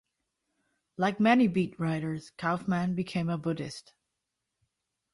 Like many beat writers, Kaufman became a Buddhist.